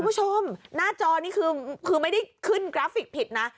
คุณผู้ชมหน้าจอนี่คือไม่ได้ขึ้นกราฟิกผิดนะ